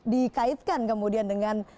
dikaitkan kemudian dengan